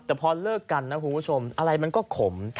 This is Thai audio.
แต่พอเลิกกันนะคุณผู้ชมอะไรมันก็ขม